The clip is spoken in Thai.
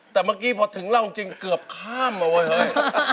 แต่เมื่อกี้พอถึงเราจริงเกือบข้ามมาเว้ยเฮ้ย